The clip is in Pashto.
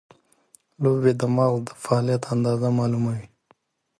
لوبې د مغز د فعالیت اندازه معلوموي.